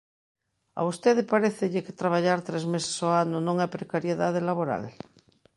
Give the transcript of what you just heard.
¿A vostede parécelle que traballar tres meses ao ano non é precariedade laboral?